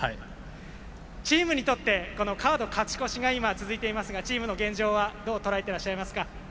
チームにとってこのカード勝ち越しが続いていますがチームの現状はどう捉えてらっしゃいますか？